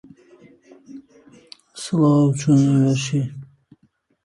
Raetihi felt the loss of the timber industry more as each year passed.